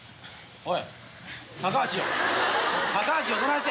おい！